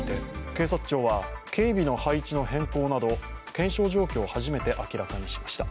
警察庁は警備の配置の変更など検証状況を初めて明らかにしました。